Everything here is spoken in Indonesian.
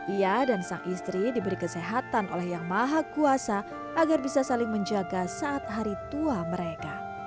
ia dan sang istri diberi kesehatan oleh yang maha kuasa agar bisa saling menjaga saat hari tua mereka